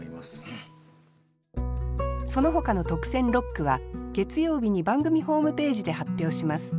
そのほかの特選六句は月曜日に番組ホームページで発表します。